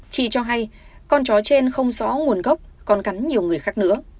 chị cho hay con chó trên không rõ nguồn gốc còn cắn nhiều người khác nữa